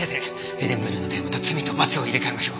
『エデンブルーのテーマ』と『罪と罰』を入れ替えましょう。